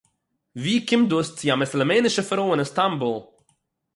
וואו קומט דאָס צו אַ מוסולמענישע פרוי אין איסטאַנבול